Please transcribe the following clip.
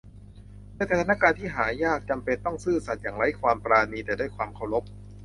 ในสถานการณ์ที่หายากจำเป็นต้องซื่อสัตย์อย่างไร้ความปราณี แต่ด้วยความเคารพ